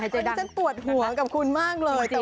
ตัวหัวผมก็จะตัวหัวกับคุณมากเลย